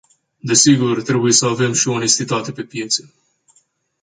Desigur, trebuie să avem și onestitate pe piețe.